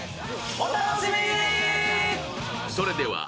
お楽しみに。